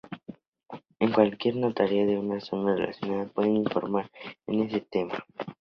En cualquier notaría de una zona relacionada pueden informar de ese tema.